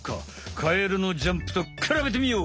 カエルのジャンプとくらべてみよう！